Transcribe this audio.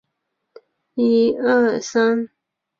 现任主席及总裁为。